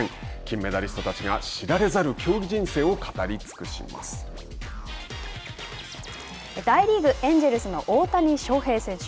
金メダリストたちが知られざる競技人生を語りつくし大リーグ、エンジェルスの大谷翔平選手。